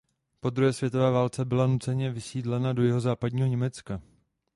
Po druhé světové válce byla nuceně vysídlena do jihozápadního Německa.